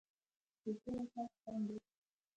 سپېڅلی: پاک سم دی.